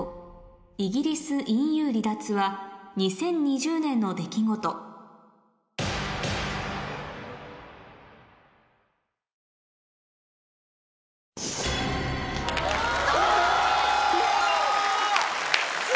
イギリスＥＵ離脱は２０２０年の出来事うわ！